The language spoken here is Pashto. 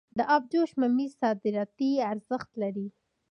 د ابجوش ممیز صادراتي ارزښت لري.